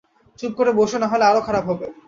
চুপ করো বসো নইলে আরো খারাপ হবে।